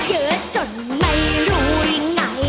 เยอะจนไม่รู้ยังไง